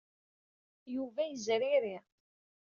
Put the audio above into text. Yuba yezriri.